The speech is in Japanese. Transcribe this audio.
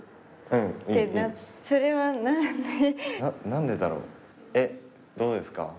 何でだろうえっどうですか？